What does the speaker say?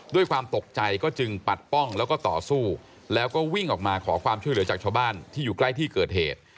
ด้วยความตกใจก็จึงปัดป้องแล้วก็ต่อสู้แล้วก็วิ่งออกมาขอความช่วยเหลือจากชาวบ้านที่อยู่ใกล้ที่เกิดเหตุ